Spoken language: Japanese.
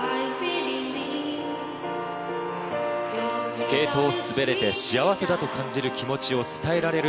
スケートを滑れて幸せだと感じる気持ちを伝えられる